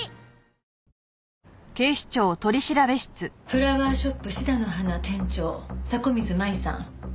フラワーショップシダの花店長迫水舞さん。